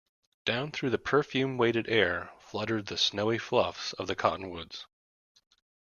Down through the perfume weighted air fluttered the snowy fluffs of the cottonwoods.